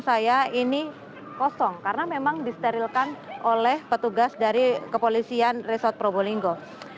saya ini kosong karena memang disterilkan oleh petugas dari kepolisian resort probolinggo